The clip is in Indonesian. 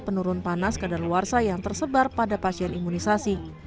penurun panas ke dalawarsa yang tersebar pada pasien imunisasi